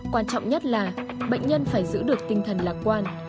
quan trọng nhất là bệnh nhân phải giữ được tinh thần lạc quan